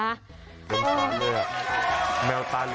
คุณอยากทำอย่างนี้กับแมวคะ